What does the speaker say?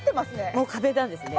もう壁なんですね。